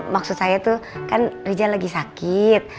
maksud saya tuh kan rijal lagi sakit